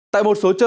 tại một số chợ